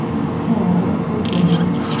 হ্যাঁ, অবশ্যই করি।